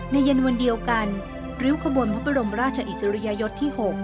เย็นวันเดียวกันริ้วขบวนพระบรมราชอิสริยยศที่๖